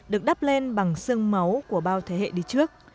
được đắp lên bằng sương máu của bao thế hệ đi trước